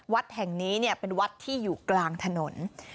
วัดแห่งนี้เป็นวัดที่อยู่กลางถนน